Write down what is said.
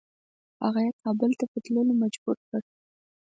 هغه یې کابل ته په تللو مجبور کړ.